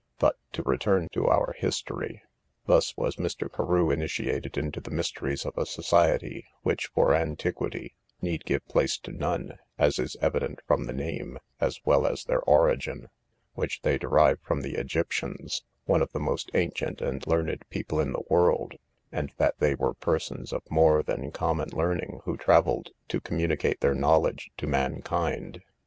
—But to return to our history. Thus was Mr. Carew initiated into the mysteries of a society, which, for antiquity, need give place to none, as is evident from the name, as well as their origin, which they derive from the Egyptians, one of the most ancient and learned people in the world, and that they were persons of more than common learning, who travelled to communicate their knowledge to mankind.